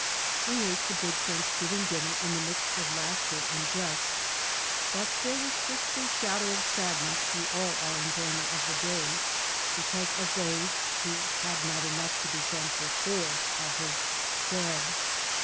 We ate the big Thanksgiving dinner in the midst of laughter and jest. But there was just a shadow of sadness through all our enjoyment of the day, because of those " who had not enough to be thankful for," our host said.